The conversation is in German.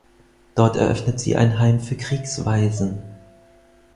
Dort eröffnet sie ein Heim für Kriegswaisen.